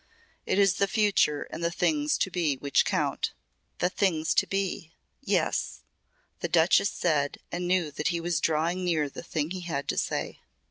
It is the future and the things to be which count." "The things to be yes," the Duchess said and knew that he was drawing near the thing he had to say.